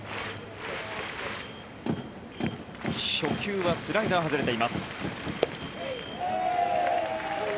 初球はスライダー外れています。